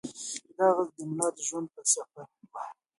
دا غږ د ملا د ژوند فلسفه وه.